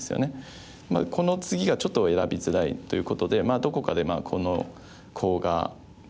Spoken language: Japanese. このツギがちょっと選びづらいということでどこかでこのコウが戦い。